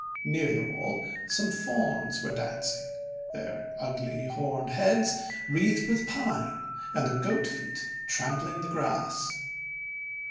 Near the wall some Fauns were dancing, their ugly horned heads wreathed with pine, and their goat feet trampling the grass.